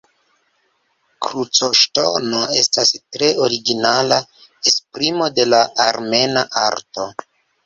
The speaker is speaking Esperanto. Krucoŝtono estas tre originala esprimo de la armena arto.